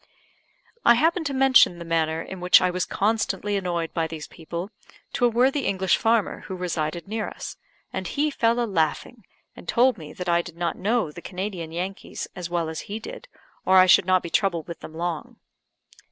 I happened to mention the manner in which I was constantly annoyed by these people, to a worthy English farmer who resided near us; and he fell a laughing, and told me that I did not know the Canadian Yankees as well as he did, or I should not be troubled with them long.